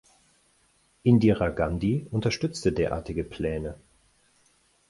Indira Gandhi unterstützte derartige Pläne.